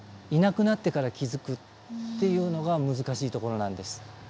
いなくなってから気付くっていうのが難しいところなんです。